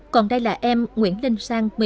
còn đây là em nguyễn linh sang